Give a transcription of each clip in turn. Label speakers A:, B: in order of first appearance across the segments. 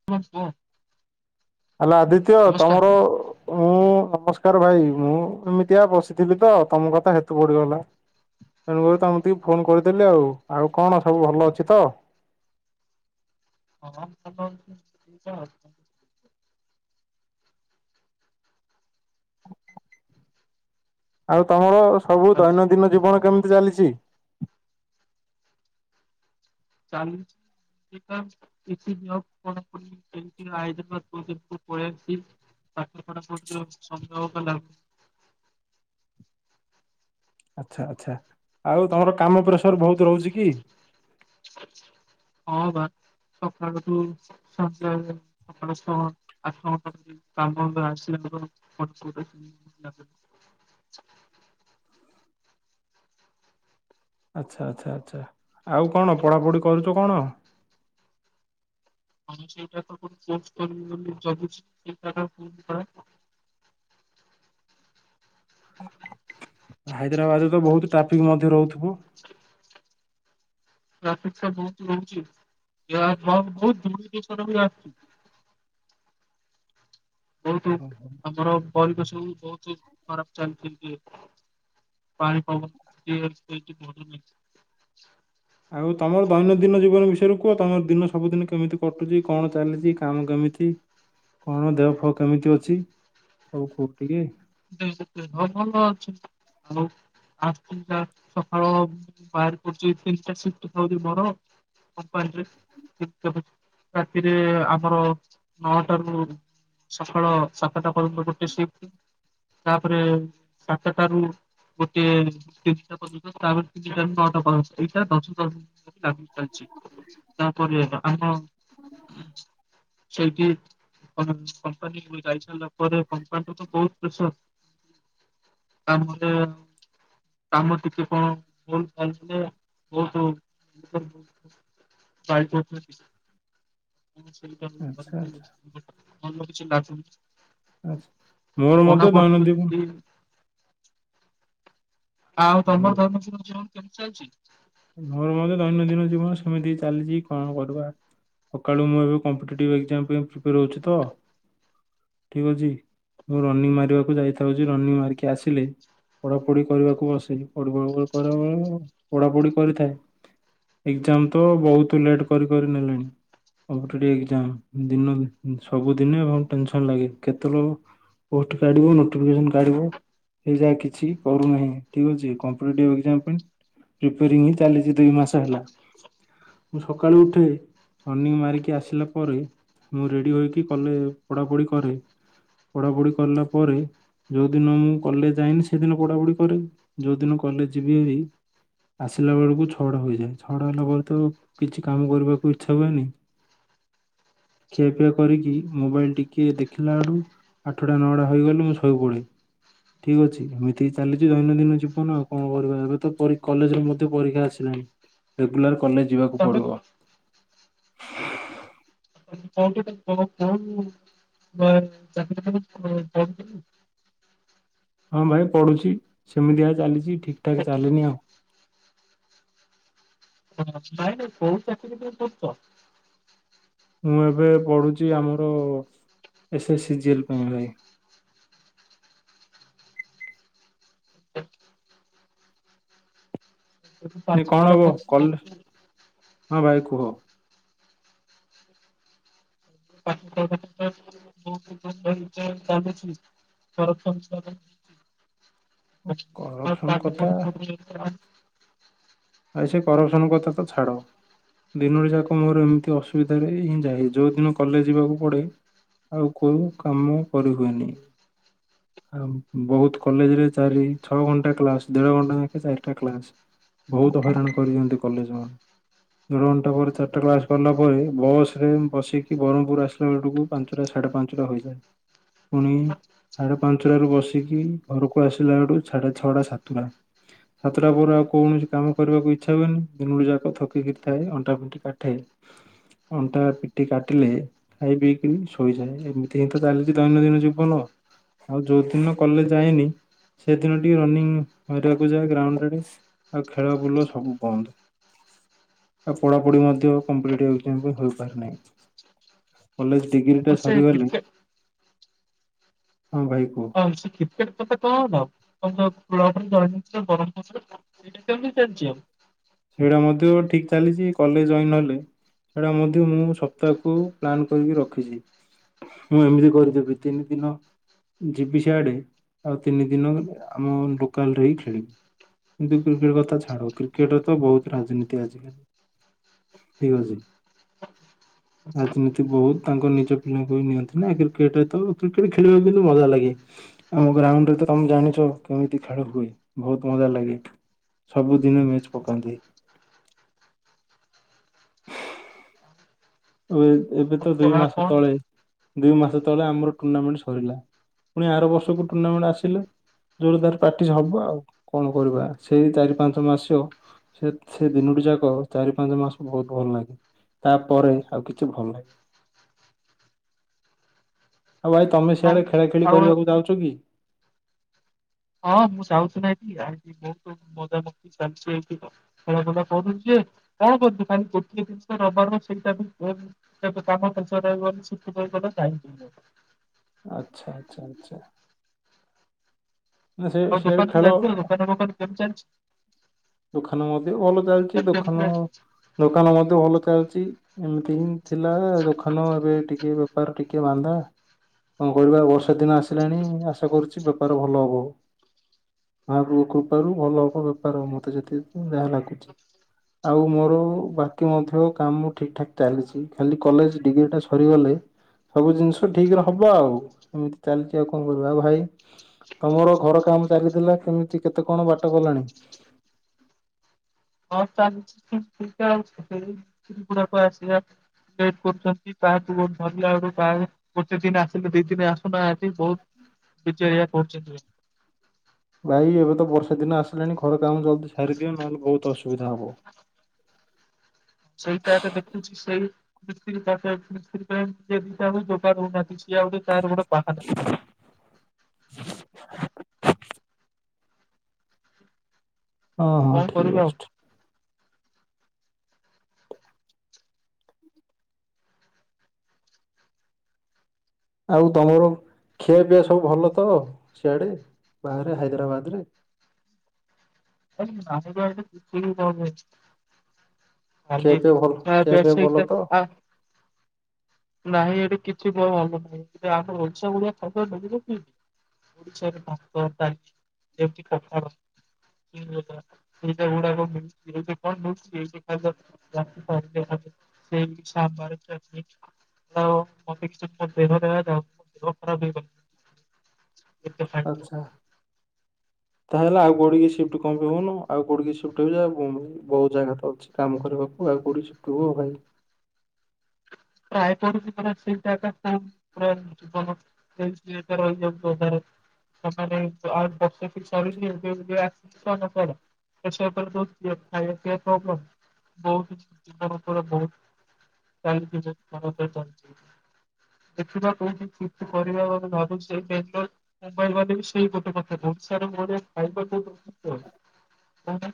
A: [inaudible]
B: Hello Aditya
A: ନମସ୍କାର।
B: ତମର ଓ ମୁଁ ନମସ୍କାର ଭାଇ ମୁଁ ଏମିତିଆ ବସିଥିଲି ତ ତମ କଥା ହେତୁ ପଡିଗଲା। ତେଣୁକରି ତମ ତିକି ଫୋନ୍ କରିଦେଲି ଆଉ ଆଉ କଣ ସବୁ ଭଲ ଅଛି ତ।
A: ହଁ ଭଲ [inaudible]
B: ଆଉ ତମର ସବୁ ଦୈନଦିନ ଜୀବନ କେମିତି ଚାଲିଚି?
A: ଚାଲିଚି। [inaudible] ପାଠ ପଢା [inaudible]
B: ଆଚ୍ଛା ଆଚ୍ଛା ଆଉ ତମର କାମ ପ୍ରେସର ବହୁତ ରହୁଛି କି?
A: ହଁ ବା ସକାଳଠୁ ସନ୍ଧ୍ୟାଯାଏ। ସକାଳୁ ଛଅ ଆଠ ଘଣ୍ଟା କାମ ଆସିବେ [unintelligible]
B: ଆଚ୍ଛା ଆଚ୍ଛା ଆଚ୍ଛା ଆଉ କଣ ପଢ଼ାପଢ଼ି କରୁଚ କଣ?
A: [inaudible]
B: ହାଇଦ୍ରାବାଦରେ ତ ବହୁତ ଟ୍ରାଫିକ୍ ମଧ୍ୟ ରହୁଥୁବୁ।
A: ଟାଫିକ ଟା ବହୁତ ରହୁଛି ଯା ବହୁତ ଧୂଳି ଧୂସର ବି ଆସଚି ବହୁତ ଆମର ପରିବେଶ ସବୁ ବହୁତ ଖରାପ ଚାଲି [unintelligible] ପାଣି ପବନ [unintelligible]
B: ଆଉ ତମର ଦୈନଦିନ ଜୀବନ ବିଷୟରେ କୁହ ତମର ଦିନ ସବୁଦିନ କେମିତି କଟୁଚି କଣ ଚାଲିଚି କାମ କେମିତି। କଣ ଦେହ ଫଅ କେମିତି ଅଛି ସବୁ କୁହ ଟିକେ।
A: [inaudible] ଭଲ ଅଛି ଆଉ [inaudible] କମ୍ପାନୀରେ [unintelligible] ରାତିରେ ଆମର ନଅଟା ରୁ। ସଖାଳ ସାତଟା ପର୍ଯ୍ୟନ୍ତ ଗୋଟେ ସିପ୍ଟି। ତାପରେ ସାତଟାରୁ। ଗୋଟେ ତିନିଟା ପର୍ଯ୍ୟନ୍ତ ତାପରେ ତିନିଟ ର ନଅଟା ପର୍ଯ୍ୟନ୍ତ ଏଇଟା ଦଶରୁ ଦଶ [unintelligible] ଚାଲିଛି ତାପରେ ଆମ ସେଇଠି କମ୍ପାନୀ ଯାଇସାଇଲା ପରେ କମ୍ପାନୀରୁ ତ ବହୁତ ପ୍ରେସର। ଆ ମୁଁ ଦ କାମ ଟିକେ କଣ ଭୁଲ ଭାଲେ ହେଲେ ବହୁତ ପ୍ର [unintelligible]
B: ଆଚ୍ଛା ଆଚ୍ଛା
A: [inaudible] ଭଲ କିଛି ଲାଗୁନି।
B: ଆଛା
A: କିନ୍ତୁ
B: ମୋର ମଧ୍ୟ
A: ପଢାପଢି
B: ଦୈନ
A: ବି
B: ଦିନ
A: ଏମତି ଆଉ
B: ହଉ
A: ତମର ଦୈନ ଦିନ ଜୀବନ କେମିତି ଚାଲିଛି?
B: ମୋର ଭଣଞ୍ଜା ଦୈନନ୍ଦିନ ଜୀବନ ସେମିତି ଚାଲିଛି କଣ କରିବା। ସକାଳୁ ମୁଁ ଏବେ କମ୍ପିଟେଟିଭ୍ ଏକ୍ଜାମ ପାଇଁ ପ୍ରିପେୟାର ହେଉଛି ତ। ଠିକ୍ ଅଛି ମୁଁ ରନିଂ ମାରିବାକୁ ଯାଇଥାଉଛି ରନିଂ ମାରିକି ଆସିଲି। ପଢାପୋଢି କରିବାକୁ ବସିଚି ପଢି ପ [unintelligible] କରିବା ପଢାପୋଢ କରିଥାଏ ଏକ୍ଜାମ ତ ବହୁତ୍ ଲେଟ୍ କରି କରି ନେଲେଣି। ଅଂ ଟୁଡେ ଏକ୍‌ଜାମ ଦିନ ସବୁ ଦିନେ ଟେନସନ୍‌ ଲାଗେ କେତେ ଲୋକ ପୋଷ୍ଟ କାଢୋଫିକେସ କାଢ [unintelligible] ଏରା କିଛି କରୁନାହିଁ ଠିକ୍ ଅଛି କମ୍ପିଟେଟିଭ ଏକ୍ଜାମ ପାଇଁ ଦିନି ଚାଲିଛି ଦୁଇ ମାସ ହେଲା ମୁଁ ସକାଳୁ ଉଠେ ରନିଂ ମାରିକି ଆସିଲା ପରେ ମୁଁ ରେଡ଼ି ହୋଇକି କଲେ ପଢାପଢ଼ି କରେ। ପଢାପଢ଼ି କଲା ପରେ ଯେଉଦିନ ମୁଁ କଲେଜ ଯାଇନି ସେଦିନ ପଢ଼ାପଢ଼ି କରେ ଯେଉଦିନ କଲେଜ ଯିବି ଏହି ଆସିଲା ବେଳକୁ ଛଅ ଟା ହୋଇଯାଏ ଛ ଟା ହେଲାବେଳତୁ କିଛି କାମ କରିବାକୁ ଇଚ୍ଛା ହୁଏନି।
A: ହ ହ।
B: ଖିଆପିଆ କରିକି ମୋବାଇଲ ଟିକେ ଦେଖିଲା ବଡୁ ଆଠଟା ନଅଟା ହେଇଗଲେ ମୁଁ ଶୋଇ ପଡ଼େ। ଠିକ୍ ଅଛି ଏମିତି ଚାଲିଛି ଦୈନନ୍ଦିନ ଜୀବନ ଆଉ କଣ କରିବା ଏବେ ତ ପରୀ କଲେଜରେ ମଧ୍ୟ ପରୀକ୍ଷା ଆସିଲାଣି ରେଗୁଲାର କଲେଜ ଯିବାକୁ
A: ତମେ
B: ପଡିବ।
A: କୁ କଣ କୁ ଚାକି [unintelligible]
B: ହଁ ଭାଇ ପଢୁଛି ସେମିତିଆ ଚାଲିଛି ଠିକ୍ ଠାକ୍ ଚାଲିନି ଆଉ।
A: ହ ନାଇଁ ନାଇଁ କୋଉଠି ଚାକିରି ଟେ କରୁଛ।
B: ମୁଁ ଏବେ ପଢୁଛି ଆମର ଏସ୍ ଏସ୍ ସି ଜଏଲ ପାଇଁ ଭାଇ।
A: ଏବେ
B: ନ
A: ପାଠ
B: କଣ ହବ
A: ପଢାପଢି
B: କଲ
A: କରୁଛ?
B: ହଁ ଭାଇ କୁହ।
A: [unintelligible] ଚାୁ [unintelligible] ପା
B: କରପସନ
A: ପାଠ
B: କଥା
A: ପଢା ପଢି ରେ କଣ୍।
B: ଆଉ ସେ କରପସନ କଥା ତ ଛାଡ। ଦିନରେ ଯାକ ମୋର ଏମିତି ଅସୁବିଧାରେ ଏଇ ହିଁ ଯାଏ ଯୋଉ ଦିନ କଲେଜ ଯିବାକୁ ପଡ଼େ। ଆଉ କୋଉ କାମ କରି ହୁଏନି। ଆଉ ବହୁତ୍ କଲେଜରେ ଚାରି ଛଅ ଘଣ୍ଟା କ୍ଲାସ ଦେଢ ଘଣ୍ଟା ଦେଖି ଥାଏ ଏଷ୍ଟ୍ରା କ୍ଲାସ। ବହୁତ ହଇରାଣ କରିଦିନ୍ତି କଲେଜ ମାନ। ଦେଢ ଘଣ୍ଟା ପରେ ଚାରିଟା କ୍ଲାସ କରିଲା ପରେ ବସ ରେ ବସିକି ବ୍ରହ୍ମପୁର ଆସିଲା ବେଳକୁ ପାଞ୍ଚଟା ସାଢେ ପାଞ୍ଚଟା ହୋଇଯାଏ ପୁଣି ସାଢେ ପାଞ୍ଚଟାରୁ ବସିକି ଘରକୁ ଆସିଲା ବେଢୁ ସାଢେ ଛଅଟା ସାତଟା। ସାତଟା ପରେ ଆଉ କୌଣସି କାମ କରିବାକୁ ଇଚ୍ଛା ହୁଏନି ଦିନ ଯାକ ଥକିକିରି ଥାଏ ଅଣ୍ଟା ପିଠି କାଟେ। ଅଣ୍ଟା ପିଠି କାଟିଲେ ଖାଇ ପିଇ କିରି ଶୋଇଯାଏ ଏମିତି ହିଁ ତ ଚାଲିଛି ଦୈନନ୍ଦିନ ଜୀବନ। ଆଉ ଯୋଉ ଦିନ କଲେଜ ଯାଏନି ସେଦିନ ଟିକେ ରନିଂ କରିବାକୁ ଯାଏ ଗ୍ରାଉଣ୍ଡରେ। ଆଉ ଖେଳ ବୁଲ ସବୁ ବନ୍ଦ। ଆଉ ପଢାପଢି ମଧ୍ୟ କମ୍ପ୍ଲିଟ୍ ଏକ୍ ହୋଇପାରୁନାହିଁ। କଲେଜ ଡିଗ୍ରୀ
A: ଆଉ
B: ଟା
A: ସେ
B: ସରିଗଲେ
A: କ୍ରିକେଟ
B: ହଁ ଭାଇ କୁହ।
A: ହଉ ସେ କିକ୍ରେଟ କ ତ [unintelligible] ଏଇଟା କେମିତି ଚାଲିଛି ଆଉ।
B: ସେଇଟା ମଧ୍ୟ ଠିକ ଚାଲିଛି କଲେଜ ଜଏନ୍ ହେଲେ ସେଟା ମଧ୍ୟ ମୁଁ ସପ୍ତାହକୁ ପ୍ଲାନ୍ କରିକି ରଖିଛି। ମୁଁ ଏମିତି କରିଦେବି ତିନି ଦିନ ଯିବି ସିଆଡେ ଆଉ ତିନି ଦିନ ଆମ ଲୋକାଲରେ ହି ଖେଳିବି। କିନ୍ତୁ କ୍ରିକେଟ କଥା ଛାଡ଼ କ୍ରିକେଟ ତ ବହୁତ ରାଜନୀତି ଆଜିକାଲି ଠିକ ଅଛି ରାଜନୀତି ବହୁତ ତାଙ୍କ ନିଜ ପିଲାଙ୍କୁ ହିଁ ନିଅନ୍ତି ନା କ୍ରିକେଟ ତ କ୍ରିକେଟ ଖେଳିବାକୁ କିନ୍ତୁ ମଜା ଲାଗେ। ଆଉ ଗ୍ରାଉଣ୍ଡରେ ତ ତମେ ଜାଣିଛ କେମିତି ଖେଳ ହୁଏ ବହୁତ ମଜା ଲାଗେ। ସବୁଦିନ ମ୍ୟାଚ ପକାନ୍ତି। ହଁ ଏ ଏବେ ତ ଦୁଇ
A: ପଢା
B: ମାସ
A: କଣ
B: ତଳେ ଦୁଇ ମାସ ତଳେ ଆମର ଟୁର୍ଣ୍ଣାମେଣ୍ଟ ସରିଲା। ପୁଣି ଆର ବର୍ଷକୁ ଟୁର୍ଣ୍ଣାମେଣ୍ଟ ଆସିଲେ। ଯେବେଳେ ତାର ପ୍ରାକ୍ଟିସ ହବ ଆଉ କଣ କରିବା ସେଇ ଚାରି ପାଞ୍ଚ ମାସ୍ୟ। ସେ ସେ ଦିନୋଟି ଯାକ ଚାରି ପାଞ୍ଚ ମାସ ବହୁତ ଭଲ ଲାଗେ ତାପରେ ଆଉ କିଛି ଭଲ ନାଇଁ। ଆଉ ଭାଇ ତମେ
A: ଆଉ
B: ସିଆଡେ ଖେଳା ଖେଳି
A: ଆଉ
B: କରିବାକୁ ଯାଉଛ କି?
A: ହଁ ମୁଁ ଯାଉଚି ନାଁ ଏଠି ଆଏଠି ବହୁତ ମଜାମକ୍ତି ଚାଲିଛି ଏଇଠି। ଖେଳା କୁଦା କରୁଛି ଯେ କଣ କରଛୁ ଖାଲି ଗୋଟିଏ ଜିନିଷ ରବାର ସେଇଟା ବି କେବେ କାମ ପ୍ରେସର ରହିବନି ଶିଖି ପାରିବ ଚାହିଁକି।
B: ଆଚ୍ଛା ଆଚ୍ଛା ଆଚ୍ଛା। ନା ସେ
A: ଆଉ
B: ସିଆଡେ
A: ଦୋକାନକୁ
B: ଖେଳ
A: ଜାଇଥିଲ ଦୋକାନ କାମ କେମି ଚାଲିଛି?
B: ଦୋକାନ ମଧ୍ୟ ଭଲ ଚାଲିଛି ଦୋକାନ
A: ହଁ
B: ଦୋକାନ ମଧ୍ୟ ଭଲ ଚାଲିଛି। ଏମିତି ହିଁ ଥିଲା ଦୋକାନ ଏବେ ଟିକେ ବେପାର ଟିକେ ମାନ୍ଦା। କଣ କରିବା ବର୍ଷା ଦିନ ଆସିଲାଣି ଆଶା କରୁଛି ବେପାର ଭଲ ହବ। ମହାପ୍ରଭୁ କୃପାରୁ ଭଲ ହବ ବେପାର ମତେ ଯେତିକି ଯାହା ଲାଗୁଛି? ଆଉ ମୋର ବାକି ମଧ୍ୟ କାମ ଠିକ ଠାକ୍ ଚାଲିଛି ଖାଲି କଲେଜ ଡିଗ୍ରୀଟା ସରିଗଲେ ସବୁ ଜିନିଷ ଠିକରେ ହବ ଆଉ ଏମିତି ଚାଲିଛି ଆଉ କଣ କରିବା ଆଉ ଭାଇ ତମର ଘର କାମ ଚାଲିଥିଲା କେମିତି କେତେ କଣ ବାଟ ଗଲାଣି?
A: ହଁ ଚାଲିଚ ଠିକ ଠାକ ଆସିବା [unintelligible] କରୁଛନ୍ତି ତାହା ତୁ ଗହୁ ଭଲ ଲାଗୁହା [unintelligible] ଗୋଟେ ଦିନ ଆସିଲେ ଦି ଦିନ ଆସୁନାହାଁନ୍ତି ବହୁତ ବିଚାରିଆ କରୁଛନ୍ତି।
B: ଭାଇ ଏବେ ତ ବର୍ଷା ଦିନ ଆସିଲାଣି ଘର କାମ ଜଲଦି ସାରିଦିଅ ନହେଲେ ବହୁତ ଅସୁବିଧା ହବ।
A: ସେଇଟା ଏବେ ଦେଖୁଛି ସେଇ ମିସ୍ତ୍ରୀ ପା ମିସ୍ତ୍ରୀ ପାଇଁ ଜଦି ଦଦା ରହୁନାହାନ୍ତି ସେ ଆଉ ଗୋଟେ ତାର ଗୋଟେ ବାହାନା।
B: ହଁ ହଁ
A: କଣ
B: ଠିକ୍
A: କରିବ ଆଉ
B: ଅଛି ଠିକ ଆଉ ତମର ଖିଆପିଆ ସବୁ ଭଲ ତ ସିଆଡ଼େ ବାହାରେ ହାଇଦ୍ରାବାଦରେ।
A: ଆ ନାନୀ [unintelligible]
B: ଖିଆ ପିଆ ଭଲ
A: ଆ
B: ଖିଆ ପିଆ ଭଲ
A: ବସଇତ
B: ତ
A: [unintelligible] ନାଇଁ ଏଠି କିଛି ଭଲ ନାହିଁ କି ଆମର ଓଡ଼ିଷା ଭଳିଆ ଖାଇବା ମିଳିବ କି? ଓଶାରେଠ କଥା [unintelligible] ଏଇଟା ଗୁଡାକ ମିଳୁଛି ଏଇଠି କଣ ମିଳୁଛି ଏଇଠି ଖା [unintelligible] ସେ ସା ଭାରତ ରେ। [inaudible] ଆଉ ମତେ କିଛି ଦେହ ଦୋ ଦେହ ଖରାପ ହେଇପାର?
B: ଆଚ୍ଛା। ତାହେଲେ ଆଉ କୋଉଠିକି ସିଫ୍ସି କଣ ପାଇଁ ହଉନ ଆଉ କୋଉଠି ସିଫ୍ଟ ହେଇଯା ଆଉ କଣ? ବହୁତ ଜାଗା ତ ଅଛି କାମ କରିବାକୁ ଆଉ କୋଉଠି ସିଫ୍ଟ ହୁଅ ଭାଇ।
A: ରାୟପୁରପ [inaudible] [unintelligible] ରହିଯାଉଚି ଅଧାରୁ। [inaudible] [inaudible] [unintelligible] [unintelligible] ଦେଖିବା କୋଉଠି ସିଫ୍ଟ କରିବା କଥା ଭାବୁଚି ସେଇ ଟେନସନ୍। ମୋବାଇଲ ବାଲା ବି ସେଇ ଗୋଟେ କଥା କୋହୁଚି। ସାର୍ ମୋ ଏଇ ଖାଇବା [unintelligible] କୋହୁନ।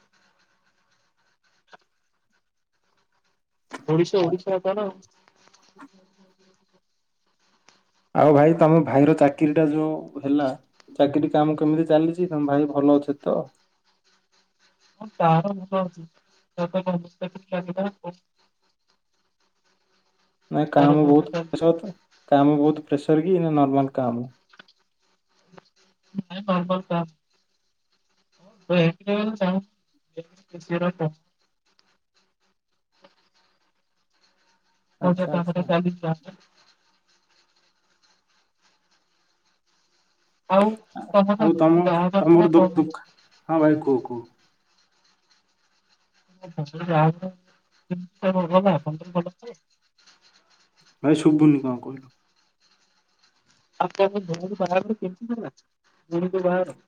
A: ଓଡିଶ
B: ଆଉ
A: ଓଡିଶାର କୋହୁନ। [unintelligible] [inaudible]
B: ଆଉ ଭାଇ ତମ ଭାଇର ଚାକିରିଟା ଯୋଉ ହେଲା। ଚାକିରି କାମ କେମିତି ଚାଲିଚି। ତମ ଭାଇ ଭଲ ଅଛି ତ?
A: ହଁ ତାର ଭଲ ଅଛି [unintelligible]
B: ନାଇଁ କାମ ବୋହୁତ ପ୍ରେସର ତ। କାମ ବୋହୁତ ପ୍ରେସର କି ନର୍ମାଲ କାମ।
A: ନାଇଁ ନର୍ମାଲ କାମ୍। [unintelligible] [inaudible]
B: ଆଚ୍ଛା ଆଚ୍ଛା
A: [unintelligible]
B: ଆ
A: ତମର
B: ଆଉ ତମ
A: ବାହାଘର ଥିଲା
B: ତମର
A: ବାହାଘର
B: ଦୁ-ଦୁଃଖ୍ ହଁ ଭାଇ କୁହ କୁହ।
A: [unintelligible] ହବନା ସମ୍ପର୍କ ଭଲ ତ?
B: ଭାଇ ଶୁବୁନି କଣ କହିଲୁ।
A: ଆପଣଙ୍କ ଭଉଣି ବାହାଘର କେମତି ହେଲା ଭ‌ଉଣୀଙ୍କ ବାହାଘର?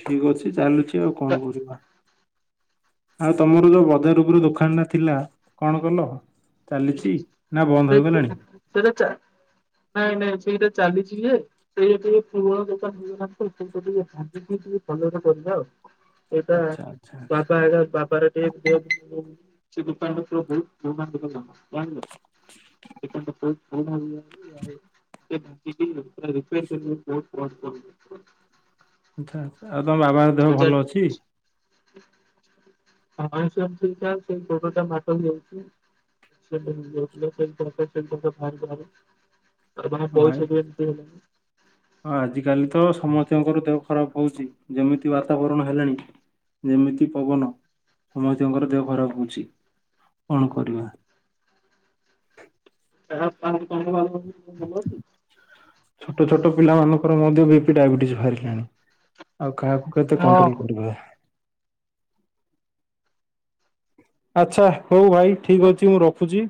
B: ଠିକ୍ ଅଛି ଚାଲୁଚି ଆଉ କଣ
A: ବାହାଘର
B: କରିବା। ଆଉ ତମର ଯୋଉ ବଜାର ଉପରେ ଦୋକଖାନଟା ଥିଲା କଣ କଲ? ଚାଲିଚି ନା ବନ୍ଦ ହେଇଗଲାଣି।
A: ସେଇଟା ଚା ନାଇଁ ନାଇଁ ସେଇଟା ଚାଲିଛି ଯେ ସେ ଟିକେ ପୁରୁଣା ଦୋକାନ ହେଇଗଲାଣି ତ ସେଥିପାଇଁ ଟିକେ ଭାବିକିି ଟିକେ କଲର ଦବା ଆଉ। ଏଇଟା
B: ଆଚ୍ଛା ଆଚ୍ଛା ଆଚ୍ଛା
A: ବାପାର [unintelligible] [unintelligible] [unintelligible] [unintelligible]
B: ଆଚ୍ଛା ଆଚ୍ଛା ଆଉ ତମ ବାବାଙ୍କ ଦେହ
A: ସଜା
B: ଭଲ ଅଛି?
A: [unintelligible] [unintelligible] ଆରେ ଭାଇ ପଇସା ବି
B: ଭାଇ?
A: ଏମିତି ହେଲା
B: ହଁ ଆଜ କାଲି ତ ସମସ୍ତଙ୍କର ଦେହ ଖରାପ ହୋଉଚି ଯେମିତି ବାତାବରଣ ହେଲାଣି। ଯେମିତି ପବନ ସମସ୍ତଙ୍କର ଦେହ ଖରାପ ହୋଉଚି କଣ କରିବା।
A: [unintelligible] ଭଲ ଅଛି?
B: ଛୋଟ ଛୋଟ ପିଲାମାନଙ୍କର ମଧ୍ୟ ବିପି, ଡାଇବେଟିସ୍ ବାହାରିଲାଣି। ଆଉ କାହାକୁ କେତେ
A: ହଁ
B: କଣ୍ଟ୍ରୋଲ କରିବା। ଆଚ୍ଛା ହୋଉ ଭାଇ ଠିକ୍ ଅଛି ମୁଁ ରଖୁଚି।